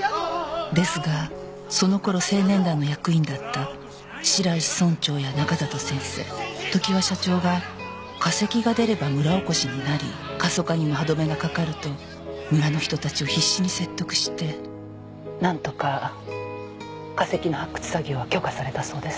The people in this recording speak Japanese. ですがその頃青年団の役員だった白石村長や中里先生常盤社長が化石が出れば村おこしになり過疎化にも歯止めがかかると村の人たちを必死に説得してなんとか化石の発掘作業は許可されたそうです。